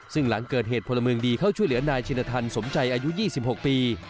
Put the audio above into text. ซึ่งหลังเกิดเหตุพลเมืองดีเข้าช่วยเหลือนายชินทันสมใจอายุ๒๖ปี